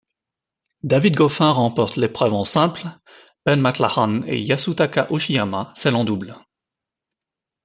David Goffin remporte l'épreuve en simple, Ben McLachlan et Yasutaka Uchiyama celle en double.